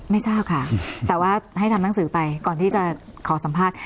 ไม่ทราบค่ะแต่ว่าให้ทำหนังสือไปก่อนที่จะขอสัมภาษณ์